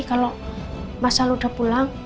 kalau mas aldi udah pulang